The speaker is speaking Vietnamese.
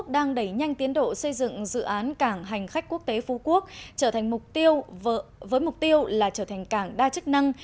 đẩy nhanh tiến độ xây dựng dự án cảng hành khách quốc tế phú quốc với mục tiêu là trở thành cảng đa chức năng